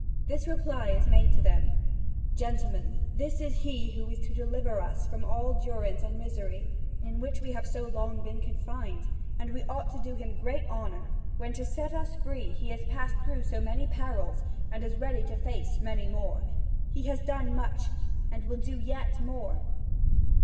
This reply is made to them: "Gentlemen, this is he who is to deliver us all from durance and misery, in which we have so long been confined, and we ought to do him great honour when, to set us free, he has passed through so many perils and is ready to face many more. He has done much, and will do yet more."